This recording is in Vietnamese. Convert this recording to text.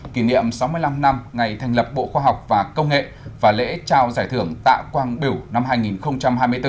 kỷ niệm sáu mươi năm năm ngày thành lập bộ khoa học và công nghệ và lễ trao giải thưởng tạ quang biểu năm hai nghìn hai mươi bốn